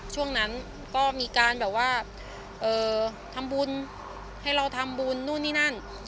ช่วงนั้นก็มีการแบบว่าทำบุญให้เราทำบุญนู่นนี่นั่น